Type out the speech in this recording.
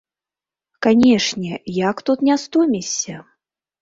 Канешне, як тут не стомішся!